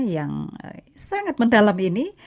yang sangat mendalam ini